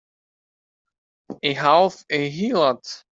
A half a heelot!